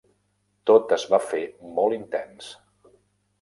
Tot es va fer molt intens.